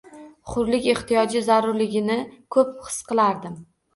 Hurlik ehtiyoji zarurligini ko‘p his qilardim.